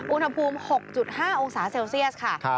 อุณหภูมิ๖๕องศาเซลเซียสค่ะ